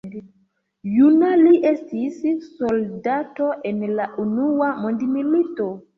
Juna, li estis soldato en la Unua Mondmilito.